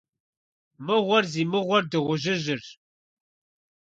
Мыгъуэр зи мыгъуэр Дыгъужьыжьырщ.